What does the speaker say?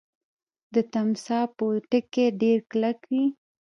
د تمساح پوټکی ډیر کلک وي